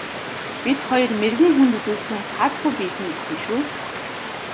Бид хоёр мэргэн хүнд үзүүлсэн саадгүй биелнэ гэсэн шүү.